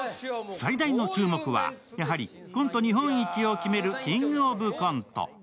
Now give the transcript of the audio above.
最大の注目はやはりコント日本一を決める「キングオブコント」。